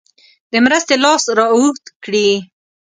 د مرستې لاس را اوږد کړي.